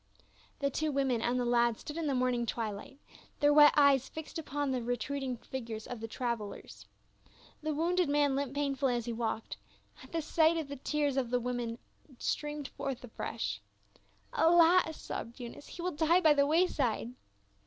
The two women and the lad stood in the morning twilight, their wet eyes fixed upon the retreating figures of the travelers ; the wounded man limped painfully as he walked ; at the sight the tears of the women streamed forth afresh. " Alas !" sobbed Eunice, " he will die by the way side."